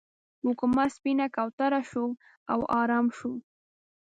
حکومت سپینه کوتره شو او ارام شو.